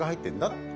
って